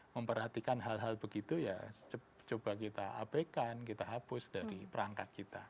memperhatikan hal hal begitu ya coba kita abaikan kita hapus dari perangkat kita